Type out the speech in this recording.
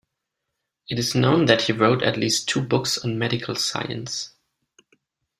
It is known that he wrote at least two books on medical science.